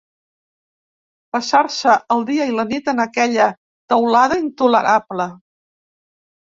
Passar-se el dia i la nit en aquella teulada intolerable